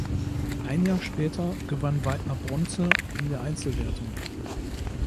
Ein Jahr später gewann Weidner Bronze in der Einzelwertung.